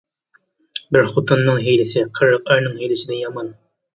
بىر خوتۇننىڭ ھىيلىسى قىرىق ئەرنىڭ ھىيلىسىدىن يامان.